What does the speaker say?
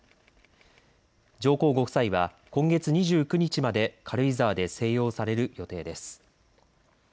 上皇ご夫妻は今月２９日まで軽井沢で静養される予定です。